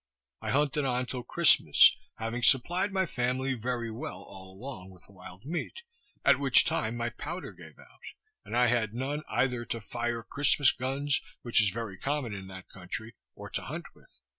I hunted on till Christmass, having supplied my family very well all along with wild meat, at which time my powder gave out; and I had none either to fire Christmass guns, which is very common in that country, or to hunt with.